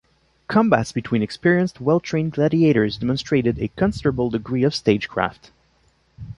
Combats between experienced, well trained gladiators demonstrated a considerable degree of stagecraft.